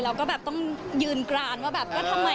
เราก็ต้องยืนกราญว่าทำไม